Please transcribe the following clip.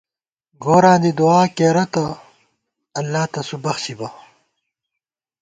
گوراں دی دُعا کېرہ تہ اللہ تسُو بخچِبہ